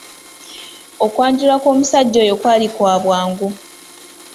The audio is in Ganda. Okwanjula kw'omusajja oyo kwali kwa bwangu.